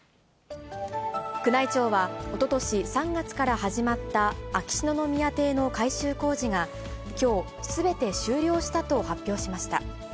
宮内庁は、おととし３月から始まった秋篠宮邸の改修工事が、きょう、すべて終了したと発表しました。